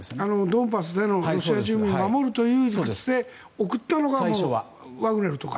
ドンバスでのロシア住民を守るという理屈で送ったのがワグネルとか。